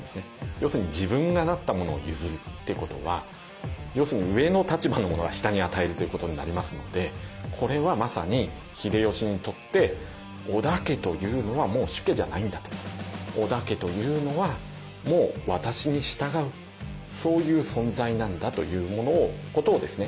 要するに自分がなったものを譲るっていうことは要するに上の立場の者が下に与えるということになりますのでこれはまさに織田家というのはもう私に従うそういう存在なんだということをですね